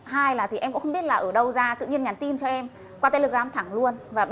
hai là em cũng không biết là ở đâu ra tự nhiên nhắn tin cho em qua telegram thẳng luôn